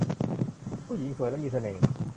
ผู้หญิงสวยและมีเสน่ห์